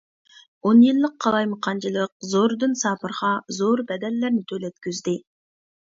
ئون يىللىق قالايمىقانچىلىق زوردۇن سابىرغا زور بەدەللەرنى تۆلەتكۈزدى.